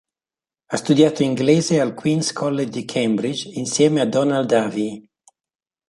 Ha studiato inglese al Queens’ College di Cambridge, insieme a Donald Davie.